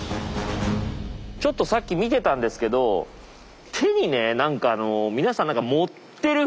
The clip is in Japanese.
ちょっとさっき見てたんですけど手にね何か皆さん持ってるふうなんですよ。